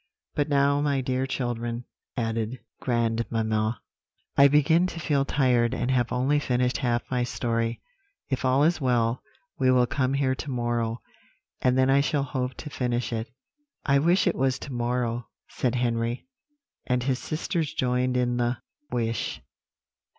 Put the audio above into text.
"But now, my dear children," added grandmamma, "I begin to feel tired, and have only finished half my story; if all is well, we will come here to morrow, and then I shall hope to finish it." "I wish it was to morrow," said Henry: and his sisters joined in the wish.